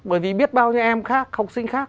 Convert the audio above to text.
bởi vì biết bao nhiêu em khác học sinh khác